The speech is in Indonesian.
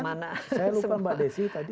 mana saya lupa mbak desi tadi